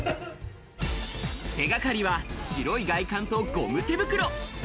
手掛かりは白い外観とゴム手袋。